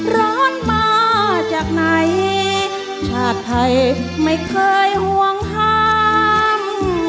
ร้อนมาจากไหนชาติไทยไม่เคยห่วงห้าม